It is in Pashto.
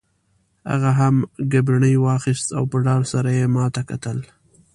هغه هم ګبڼۍ واخیست او په ډار سره یې ما ته کتل.